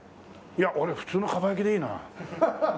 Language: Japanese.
いや俺普通の蒲焼きでいいな。